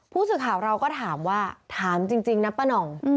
ผู้สื่อข่าวเราก็ถามว่าถามจริงนะป้าน่อง